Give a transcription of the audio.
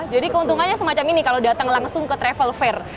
jadi keuntungannya semacam ini kalau datang langsung ke travel fair